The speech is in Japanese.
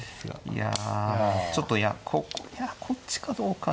いやちょっといやこっちかどうか。